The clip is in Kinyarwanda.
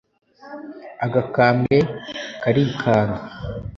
Agakambwe karikanga,